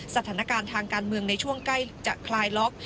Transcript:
สถานการณ์ทางการเมืองในช่วงใกล้จะคลายล็อก